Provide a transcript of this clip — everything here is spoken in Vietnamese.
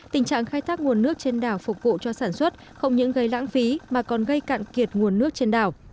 tình trạng khai thác nguồn nước trên đảo phục vụ cho sản xuất không những gây lãng phí mà còn gây cạn kiệt nguồn nước trên đảo